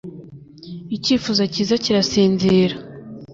Icyifuzo cyiza kirasinzira